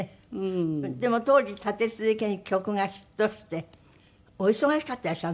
でも当時立て続けに曲がヒットしてお忙しかったでしょ？